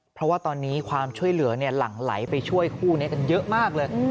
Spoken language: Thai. เพราะว่าตอนนี้ความช่วยเหลือหลั่งไหลไปช่วยคู่นี้กันเยอะมากเลย